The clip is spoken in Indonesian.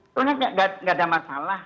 sebenarnya nggak ada masalah